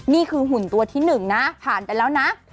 นี่คือหุ่นตัวที่หนึ่งนะผ่าไปแล้วนะ